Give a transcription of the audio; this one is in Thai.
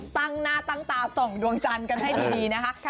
ตั้งหน้าตั้งตาส่องดวงจันทร์กันให้ดีนะคะ